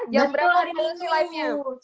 jom berapa hari itu live nya